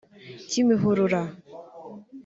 Kimihurura